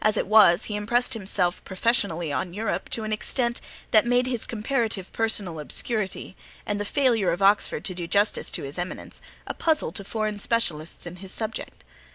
As it was, he impressed himself professionally on Europe to an extent that made his comparative personal obscurity, and the failure of Oxford to do justice to his eminence, a puzzle to foreign specialists in his subject.